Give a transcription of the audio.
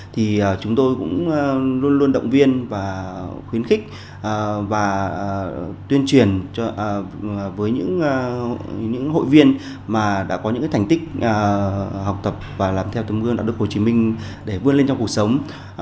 thì chúng tôi cũng luôn luôn động viên và khuyến khích và tuyên truyền với những hội viên mà đã có những thành tích học tập và làm theo tấm gương